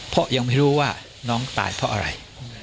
เพราะยังไม่รู้ว่าน้องตายเพราะอะไร